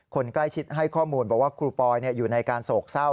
คนใกล้ชิดให้ข้อมูลบอกว่าครูปอยอยู่ในการโศกเศร้า